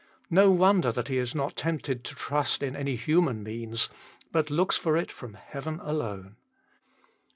No wonder that he is not tempted to trust in any human means, but looks for it from heaven alone.